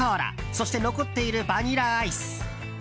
そして残っているバニラアイス。